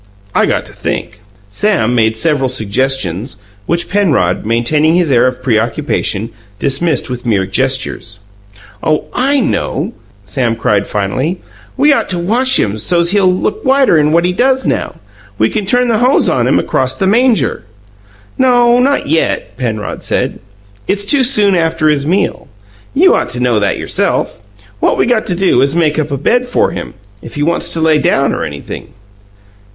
I got to think." Sam made several suggestions, which Penrod maintaining his air of preoccupation dismissed with mere gestures. "Oh, I know!" Sam cried finally. "We ought to wash him so's he'll look whiter'n what he does now. We can turn the hose on him across the manger." "No; not yet," Penrod said. "It's too soon after his meal. You ought to know that yourself. What we got to do is to make up a bed for him if he wants to lay down or anything."